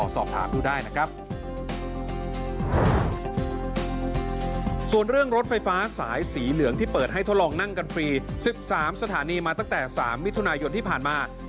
ส่วนเรื่องรถไฟฟ้าสายสีเหลืองที่เปิดให้ทดลองนั่งกันฟรี๑๓สถานีมาตั้งแต่๓มิถุนายนที่ผ่านมา